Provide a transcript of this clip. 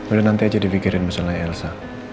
udah nanti aja di fikirin masalah elsa